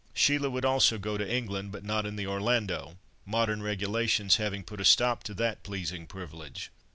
Sheila would also go to England, but not in the Orlando, modern regulations having put a stop to that pleasing privilege.